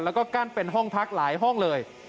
แล้วก็กั้นเป็นห้องพักหลายห้องเลย